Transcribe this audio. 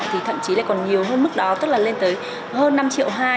thì thậm chí còn nhiều hơn mức đó tức là lên tới hơn năm hai triệu